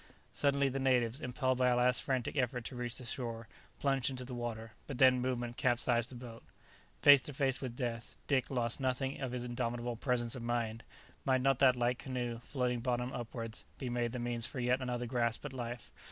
Suddenly the natives, impelled by a last frantic effort to reach the shore, plunged into the water, but then movement capsized the boat. Face to face with death, Dick lost nothing of his indomitable presence of mind. Might not that light canoe, floating bottom upwards, be made the means for yet another grasp at life?